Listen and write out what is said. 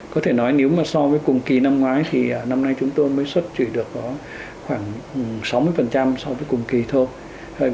có thể nói nếu mà so với cùng kỳ năm ngoái thì năm nay chúng tôi mới xuất chỉ được có khoảng sáu mươi so với cùng kỳ thôi